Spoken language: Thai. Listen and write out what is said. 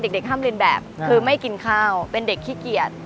เด็กห้ามเรียนแบบคือไม่กินข้าวเป็นเด็กขี้เกียจ